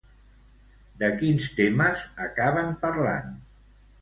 De quins temes acaben parlant?